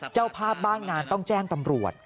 เจ้าภาพบ้านงานต้องแจ้งตำรวจ